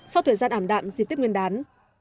sau thời gian ảm đạm dịp tiếp nguyên đán